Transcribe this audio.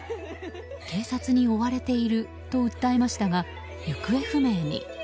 警察に追われていると訴えましたが、行方不明に。